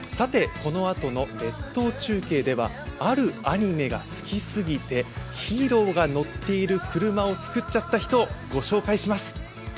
このあとの列島中継ではあるアニメが好きすぎてヒーローが乗っている車を造っちゃった人をご紹介します。